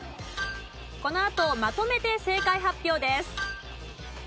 このあとまとめて正解発表です。